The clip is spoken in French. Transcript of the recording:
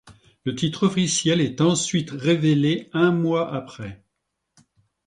Le titre officiel est ensuite révélé un mois après.